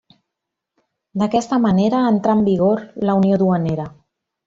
D'aquesta manera entrà en vigor la Unió Duanera.